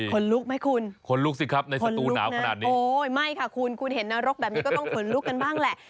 ขนลุกไหมคุณขนลุกนะโอ้ยไม่ค่ะคุณคุณเห็นนรกแบบนี้ก็ต้องขนลุกกันบ้างแหละ